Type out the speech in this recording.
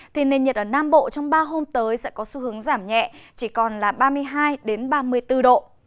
thì nền nhiệt ở nam bộ trong ba hôm tới sẽ có xu hướng giảm nhẹ chỉ còn là ba mươi hai ba mươi bốn độ